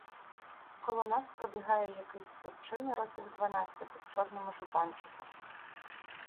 Коло нас пробігає якийсь хлопчина, років дванадцяти, в чорному жупанчику.